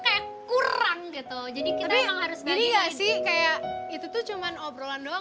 kayak kurang gitu jadi kita harus beri ya sih kayak itu cuman obrolan doang